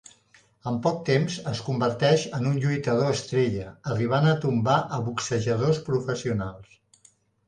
En poc temps, es converteix en un lluitador estrella, arribant a tombar a boxejadors professionals.